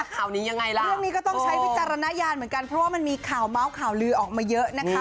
เรื่องนี้ก็ต้องใช้วิจารณญาณเหมือนกันเพราะว่ามันมีข่าวเม้าข่าวลือออกมาเยอะนะคะ